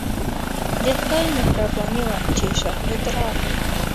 د خدای مهرباني وه چې شاهد راغی.